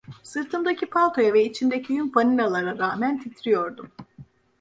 Sırtımdaki paltoya ve içimdeki yün fanilalara rağmen titriyordum.